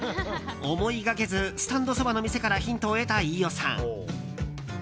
思いがけずスタンドそばの店からヒントを得た飯尾さん。